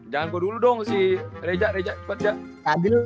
jangan gua dulu dong si reza reza cepet aja